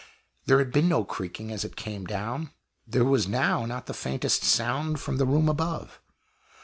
There had been no creaking as it came down; there was now not the faintest sound from the room above.